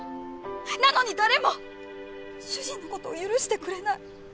なのに誰も主人の事を許してくれない。